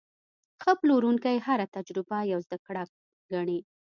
ښه پلورونکی هره تجربه یوه زده کړه ګڼي.